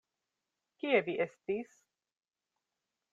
Kie vi estis?